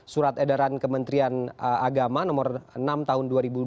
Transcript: surat edaran kementerian agama nomor enam tahun dua ribu dua puluh